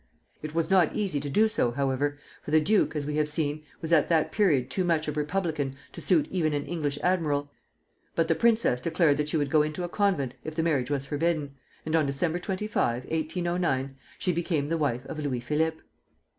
It was not easy to do so, however, for the duke, as we have seen, was at that period too much a republican to suit even an English Admiral; but the princess declared that she would go into a convent if the marriage was forbidden, and on Dec. 25, 1809, she became the wife of Louis Philippe.